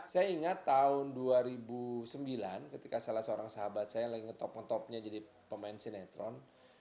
saya ingat tahun dua ribu sembilan ketika salah seorang sahabat saya lagi ngetop ngetopnya jadi pemain sinetron